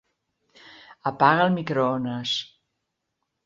Apaga el microones.